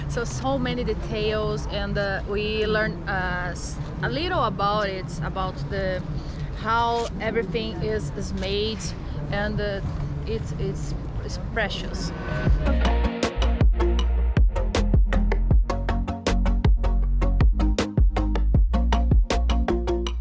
jadi banyak detail dan kami belajar sedikit tentangnya tentang bagaimana semuanya dibuat dan itu sangat berharga